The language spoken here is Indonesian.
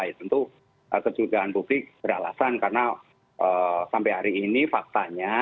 tentu kecurigaan publik beralasan karena sampai hari ini faktanya